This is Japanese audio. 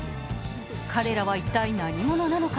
彼らは一体何者なのか？